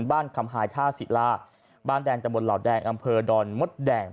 คำหายท่าศิลาบ้านแดงตะบนเหล่าแดงอำเภอดอนมดแดง